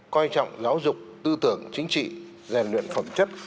coi trọng giáo dục tư tưởng chính trị rèn luyện phẩm chất